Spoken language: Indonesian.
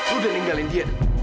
lo udah ninggalin dia